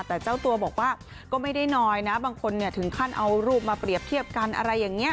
แต่เจ้าตัวบอกว่าก็ไม่ได้น้อยนะบางคนถึงขั้นเอารูปมาเปรียบเทียบกันอะไรอย่างนี้